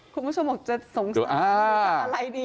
คุณผู้ชมบอกจะสงสัยหรือจะอะไรดี